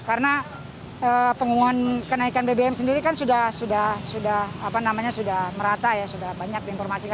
karena pengumuman kenaikan bbm sendiri kan sudah merata sudah banyak informasi